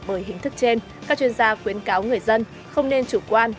bởi hình thức trên các chuyên gia khuyến cáo người dân không nên chủ quan